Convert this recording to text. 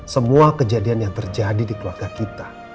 semua kejadian yang terjadi di keluarga kita